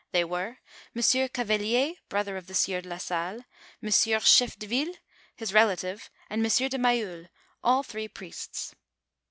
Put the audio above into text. They were Monsieur Cavolier, brother of the sieur de la Salle, Monsieur Chefdeville, his relative, and Mon sieur de Maiulle,t all three priests.